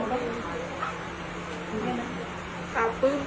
ออกไปคือ